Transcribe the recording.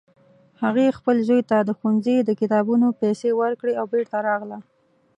هغې خپل زوی ته د ښوونځي د کتابونو پیسې ورکړې او بیرته راغله